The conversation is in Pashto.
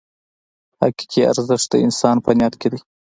حقیقي ارزښت د انسان په نیت کې دی.